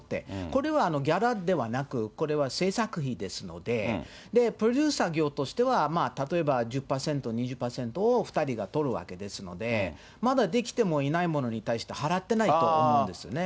これはギャラだけではなく、これは制作費ですので、プロデューサー業としては、例えば、１０％、２０％を２人が取るわけですので、まだ出来てもいないものに対して、払ってないと思うんですよね。